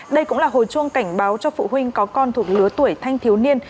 đây cũng là hồi chuông cảnh báo cho phụ huynh có con thuộc lứa tuổi thanh thiếu niên